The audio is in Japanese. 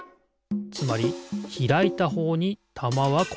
つまりひらいたほうにたまはころがる。